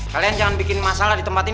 kalian jangan bikin masalah di tempat ini